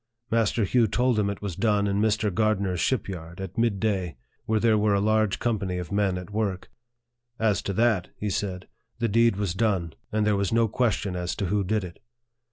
Master Hugh told him it was done in Mr. Gardner's ship yard, at mid day, where there were a large company of men at work. " As to that," he said, " the deed was done, and there was no question as to who did it."